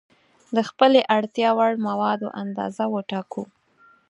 د خپلې اړتیا وړ موادو اندازه وټاکو.